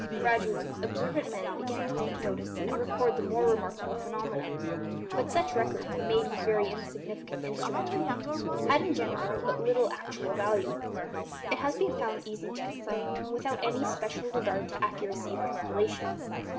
Gradually, observant men began to notice and record the more remarkable phenomena. But such records, made with very insufficient instrumental means, had in general but little actual value: it has been found easy to confirm them without any special regard to accuracy of calculation.